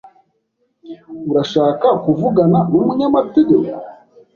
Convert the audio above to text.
Urashaka kuvugana numunyamategeko?